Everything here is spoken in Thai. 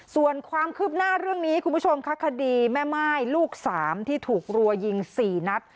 ส่วนความคืบหน้าเรื่องนี้คุณผู้ชมค่ะคดีแม่ม่ายลูก๓ที่ถูกรัวยิง๔นัด